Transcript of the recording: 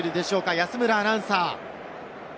安村アナウンサー。